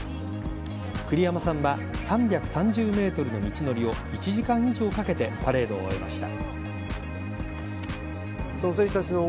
栗山さんは３３０ｍの道のりを１時間以上かけてパレードを終えました。